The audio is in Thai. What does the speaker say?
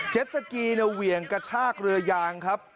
เจ็ตสกีเวียงกระชากเรือยางครับ